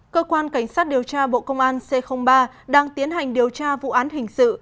cơ quan cảnh sát điều tra bộ công an c ba đang tiến hành điều tra vụ án hình sự